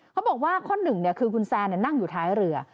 เขาบอกว่าข้อหนึ่งคือคุณแซนนั่งอยู่ท้ายเรือ